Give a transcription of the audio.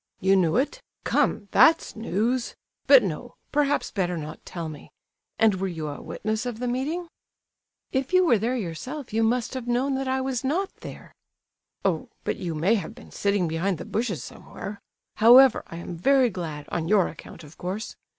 "You knew it? Come, that's news! But no—perhaps better not tell me. And were you a witness of the meeting?" "If you were there yourself you must have known that I was not there!" "Oh! but you may have been sitting behind the bushes somewhere. However, I am very glad, on your account, of course.